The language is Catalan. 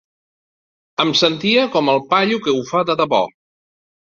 Em sentia com el paio que ho fa de debò.